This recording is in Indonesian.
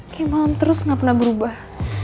kayak malam terus nggak pernah berubah